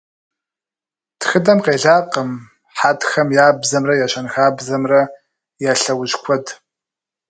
Тхыдэм къелакъым хьэтхэм я бзэмрэ я щэнхабзэмрэ я лъэужь куэд.